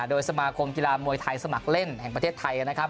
โดยสมาคมกีฬามวยไทยสมัครเล่นแห่งประเทศไทยนะครับ